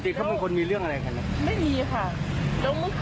แล้วเขาก็เหลือเซ็งเขาก็บอกอยู่ที่นี่เจ้าจะออกมา